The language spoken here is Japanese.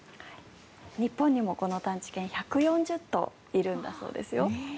日本にもこの探知犬１４０頭いるんだそうですよ。